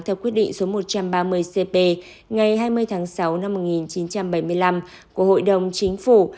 theo quyết định số một trăm ba mươi cp ngày hai mươi tháng sáu năm một nghìn chín trăm bảy mươi năm của hội đồng chính phủ